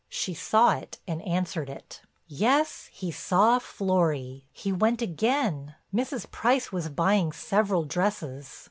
She saw it and answered it: "Yes, he saw Florry. He went again—Mrs. Price was buying several dresses.